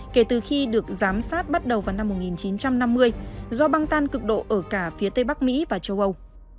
kể từ khi được giám sát bắt đầu vào năm một nghìn chín trăm năm mươi do băng tan cực độ ở cả phía tây bắc mỹ và châu âu